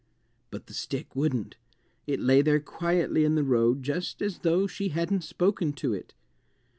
But the stick wouldn't. It lay there quietly in the road just as though she hadn't spoken to it.